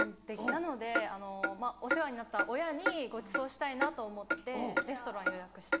なのでお世話になった親にごちそうしたいなと思ってレストラン予約して。